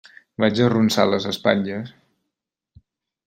Vaig arronsar les espatlles.